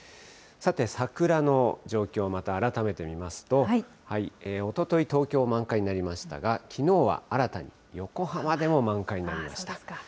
さて、桜の状況、また改めて見ますと、おととい、東京、満開になりましたが、きのうは新たに横浜でも満開になりました。